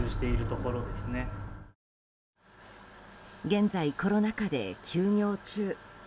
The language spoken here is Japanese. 現在コロナ禍で休業中。